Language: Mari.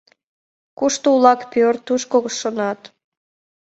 Кушто улак пӧрт, тушко шонат.